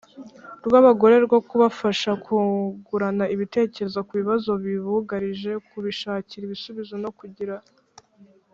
Rw abagore rwo kubafasha kungurana ibitekerezo ku bibazo bibugarije kubishakira ibisubizo no kugira